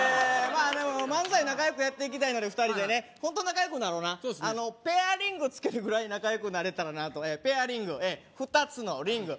まあでも漫才仲良くやっていきたいので２人でねホント仲良くなろなあのペアリングつけるぐらい仲良くなれたらなと２つのリング